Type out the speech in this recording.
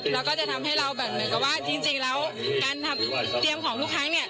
แล้วก็จะทำให้เราแบบเหมือนกับว่าจริงแล้วการทำเตรียมของทุกครั้งเนี่ย